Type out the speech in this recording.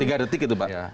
tiga detik itu pak